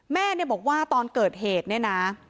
แม่เนี่ยบอกว่าตอนเกิดเหตุเนี่ยนะ